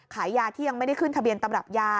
ขายยาที่ยังไม่ได้ขึ้นทะเบียนตำรับยา